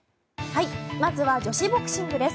まずは女子ボクシングです。